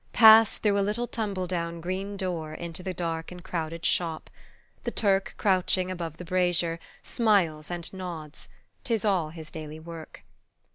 Pass through a little tumble down green door Into the dark and crowded shop; the Turk Crouching above the brasier, smiles and nods; 'Tis all his daily work.